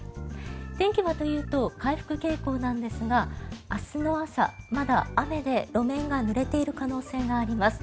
天気はというと回復傾向なんですが明日の朝、まだ雨で路面がぬれている可能性があります。